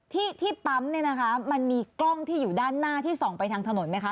ที่ที่ปั๊มเนี่ยนะคะมันมีกล้องที่อยู่ด้านหน้าที่ส่องไปทางถนนไหมคะ